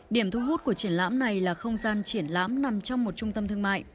điểm thu hút của triển lãm này là không gian triển lãm nằm trong một trung tâm thương mại